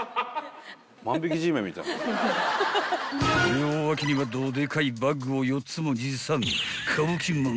［両脇にはどでかいバッグを４つも持参］